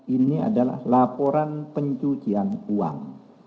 ini adalah laporan pencucian uang